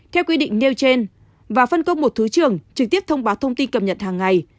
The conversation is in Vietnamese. theo quy định nêu trên và phân công một thứ trưởng trực tiếp thông báo thông tin cập nhật hàng ngày